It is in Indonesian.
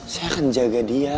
saya akan jaga dia